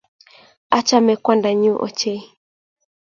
Achame kwandanyu ochei